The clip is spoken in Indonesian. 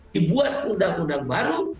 dibuat undang undang baru